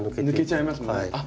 抜けちゃいますもんね。